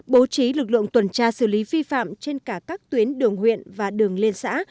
bố trí lực lượng tuần tra xử lý vi phạm trên cả các tuyến đường huyện và đường liên xã